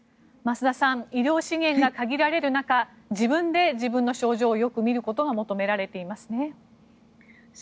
増田さん医療資源が限られる中自分で自分の症状をよく見ることが求められていますね。